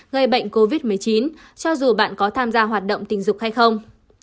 gây bệnh covid một mươi chín cho dù bạn có tham gia hoạt động tình dục hay không